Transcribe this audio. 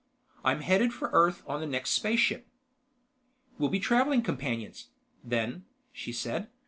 "I'm heading for Earth on the next spaceship." "We'll be traveling companions, then," she said.